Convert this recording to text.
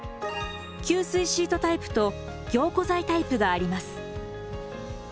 吸水シートタイプと凝固剤タイプがあります。